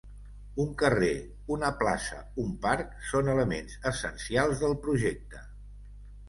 Un carrer, una plaça, un parc, són elements essencials del projecte.